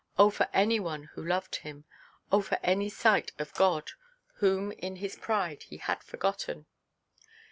Oh, for any one who loved him; oh, for any sight of God, whom in his pride he had forgotten!